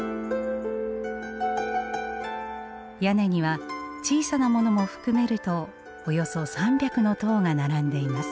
屋根には小さなものも含めるとおよそ３００の塔が並んでいます。